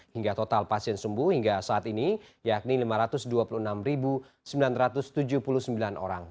hingga total pasien sembuh hingga saat ini yakni lima ratus dua puluh enam sembilan ratus tujuh puluh sembilan orang